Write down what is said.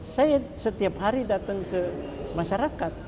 saya setiap hari datang ke masyarakat